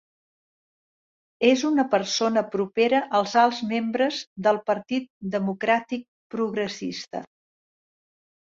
És una persona propera als alts membres del Partit Democràtic Progressista.